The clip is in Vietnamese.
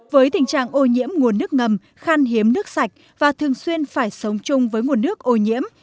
với tình trạng ô nhiễm nguồn nước ngầm khăn hiếm nước sạch và thường xuyên phải sống chung với nguồn nước ô nhiễm